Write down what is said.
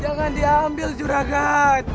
jangan diambil juragan